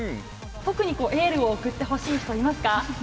特にエールを送ってほしい人いますか？